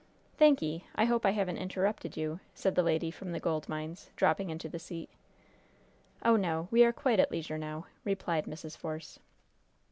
"Thanky'! I hope I haven't interrupted you?" said the lady from the gold mines, dropping into the seat. "Oh, no. We are quite at leisure now," replied Mrs. Force.